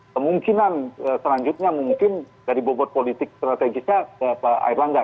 kemungkinan selanjutnya mungkin dari bobot politik strategisnya pak air langga